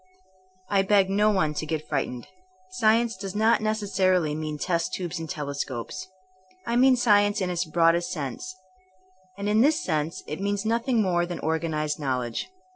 I beg no one to get frightened. Science does not necessarily mean test tubes and telescopes. I mean science in its broadest sense; and in this sense it means nothing more than organ ized knowledge.